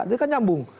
dia kan nyambung